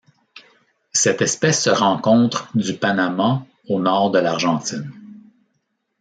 Cette espèce se rencontre du Panama au Nord de l'Argentine.